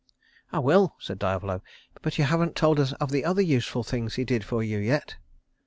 "I will," said Diavolo, "But you haven't told us of the other useful things he did for you yet."